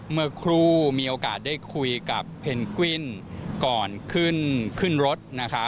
เมื่อครู่มีโอกาสได้คุยกับเพนกวิ้นก่อนขึ้นรถนะคะ